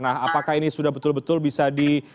nah apakah ini sudah betul betul bisa di